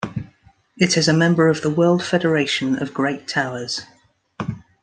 It is a member of the World Federation of Great Towers.